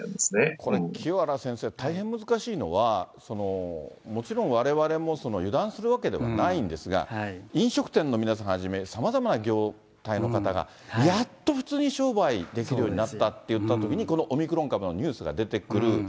これ、清原先生、大変難しいのは、もちろんわれわれも油断するわけではないんですが、飲食店の皆さんはじめ、さまざまな業態の方がやっと普通に商売できるようになったというときにこのオミクロン株のニュースが出てくる。